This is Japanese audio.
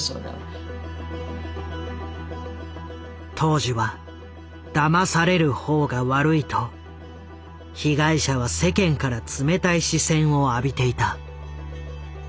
当時は「だまされる方が悪い」と被害者は世間から冷たい視線を浴びていた。